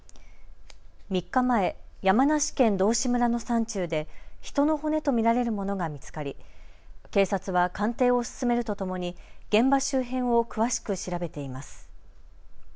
３日前、山梨県道志村の山中で人の骨と見られるものが見つかり警察は鑑定を進めるとともに現場周辺を詳しく調べています。